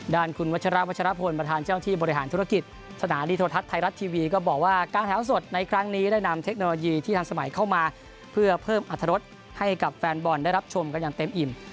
ด้านคุณวัชราวัชรพลประธานเจ้าที่บริหารธุรกิจสถานีโทรทัศน์ไทยรัฐทีวีก็บอกว่าการแถวสดในครั้งนี้ได้นำเทคโนโลยีที่ทันสมัยเข้ามาเพื่อเพิ่มอัตรรสให้กับแฟนบอลได้รับชมกันอย่างเต็มอิ่ม